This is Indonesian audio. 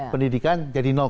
pendidikan jadi tujuh puluh lima